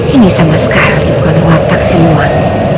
ini sama sekali bukan watak semua